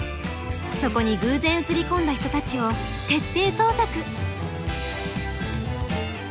そこに偶然映り込んだ人たちを徹底捜索！